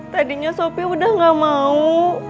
tadinya sopi udah gak mau